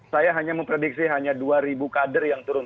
saya hanya memprediksi hanya dua ribu kader yang turun